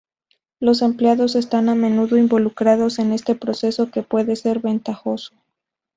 Los empleados están a menudo involucrados en este proceso, que puede ser ventajoso.